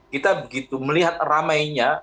kita begitu melihat ramainya